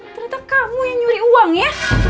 ternyata kamu yang nyuli uang ya